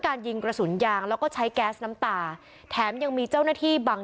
ยิงกระสุนยางแล้วก็ใช้แก๊สน้ำตาแถมยังมีเจ้าหน้าที่บาง